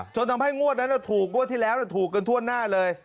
จนทำให้งวดนั้นถูกงวดที่แล้วถูกกันทั่วหน้าเลย